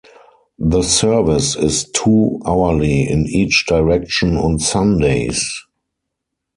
The service is two-hourly in each direction on Sundays.